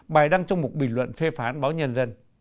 bài đăng trong một bình luận phê phán báo nhân dân